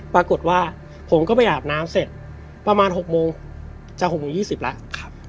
ปรากฏว่าผมก็ไปอาบน้ำเสร็จประมาณ๖โมงจะ๖โมง๒๐แล้ว